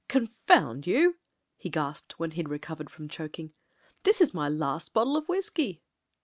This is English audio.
"Confound you," he gasped, when he'd recovered from choking. "This is my last bottle of whisky."